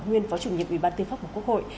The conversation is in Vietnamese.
nguyên phó chủ nhiệm ủy ban tư pháp của quốc hội